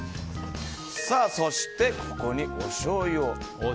そして、ここにおしょうゆを。